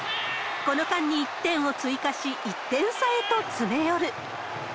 この間に１点を追加し、１点差へと詰め寄る。